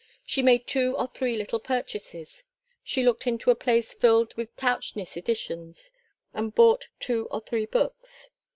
She made two or three little purchases. She looked into a place filled with Tauchnitz Editions, and bought two or three books.